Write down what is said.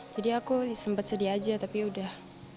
jadi aku sempat sedih aja tapi udah